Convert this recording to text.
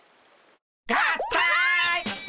合体！